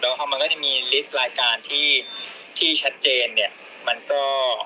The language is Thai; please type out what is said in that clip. แล้วเขามันก็จะมีลิสต์รายการที่ที่ชัดเจนเนี้ยมันก็